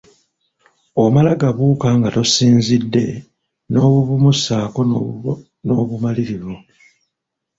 Omala gabuuka nga tosinzidde n'obuvumu ssaako n'obumalirivu.